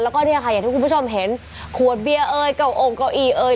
แล้วก็เนี่ยค่ะอย่างที่คุณผู้ชมเห็นขวดเบียร์เอ่ยเก่าองค์เก้าอี้เอ่ย